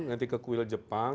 nanti ke kuil jepang